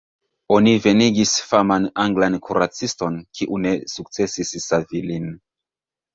Oni venigis faman anglan kuraciston, kiu ne sukcesis savi lin.